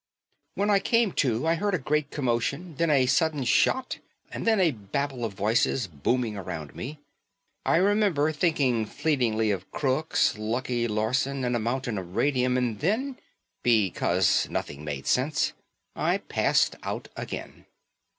When I came to, I heard a great commotion, then a sudden shot and then a babble of voices booming around me. I remember thinking fleetingly of crooks, Lucky Larson and a mountain of radium and then because nothing made sense I passed out again.